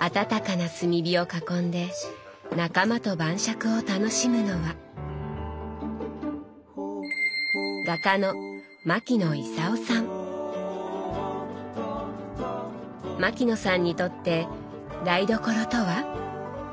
暖かな炭火を囲んで仲間と晩酌を楽しむのは牧野さんにとって台所とは？